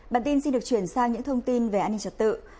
bản tin xin được chuyển sang những thông tin về an ninh trật tự